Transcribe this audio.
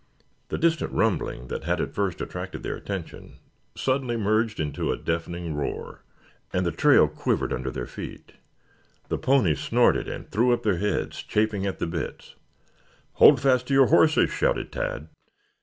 The distant rumbling that had at first attracted their attention suddenly merged into a deafening roar, and the trail quivered under their feet. The ponies snorted and threw up their heads, chafing at the bits. "Hold fast to your horses!" shouted Tad.